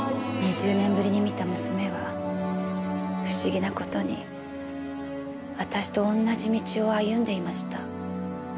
２０年ぶりに見た娘は不思議な事に私と同じ道を歩んでいました。